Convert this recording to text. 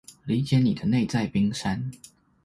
理解你的內在冰山